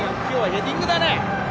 今日はヘディングだね！